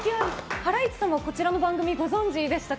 ハライチさんはこちらの番組ご存知でしたか？